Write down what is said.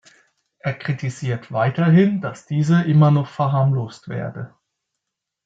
Er kritisiert weiterhin, dass diese immer noch verharmlost werde.